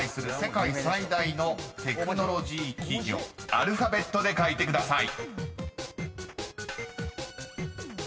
［アルファベットで書いてください］